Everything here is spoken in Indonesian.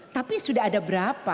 tapi sudah ada berapa